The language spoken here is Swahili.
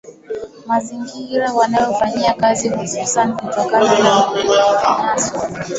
mazingira wanayofanyia kazi hususan kutokana na manyanyaso